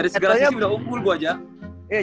dari segala sisi udah unggul gue aja